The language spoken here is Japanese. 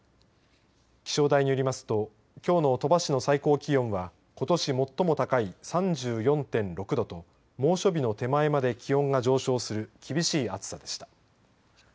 気象台によりますときょうの鳥羽市の最高気温はことし最も高い３４．６度と猛暑日の手前まで気温が上昇する厳しい暑さでした。